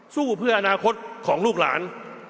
สู้เพื่ออนาคตของลูกหลาน